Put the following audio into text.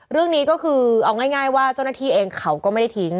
เรื่องนี้ก็คือเอาง่ายว่าเจ้าหน้าที่เองเขาก็ไม่ได้ทิ้ง